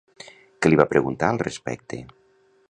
Què li va preguntar al respecte?